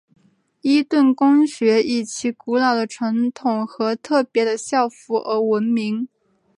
伊顿公学以其古老的传统和特别的校服而闻名。